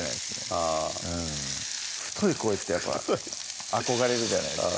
あぁ太い声って憧れるじゃないですか